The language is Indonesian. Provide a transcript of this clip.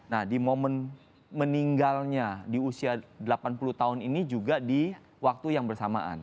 nah di momen meninggalnya di usia delapan puluh tahun ini juga di waktu yang bersamaan